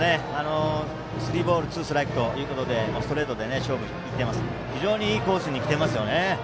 スリーボールツーストライクということでストレートで勝負いってるので非常に、いいコースにきていますね。